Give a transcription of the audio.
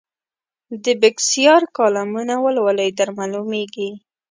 د بېکسیار کالمونه ولولئ درمعلومېږي.